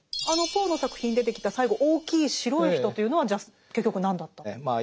あのポーの作品に出てきた最後大きい白い人というのはじゃあ結局何だったんですか？